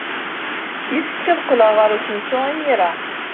Yessefk ad qqleɣ ɣer usensu imir-a.